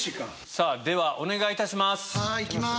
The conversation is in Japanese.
さぁではお願いいたします。